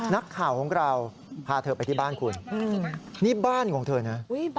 นักข่าวของเราพาเธอไปที่บ้านคุณนี่บ้านของเธอนะ